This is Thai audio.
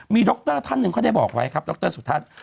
ดรท่านหนึ่งเขาได้บอกไว้ครับดรสุทัศน์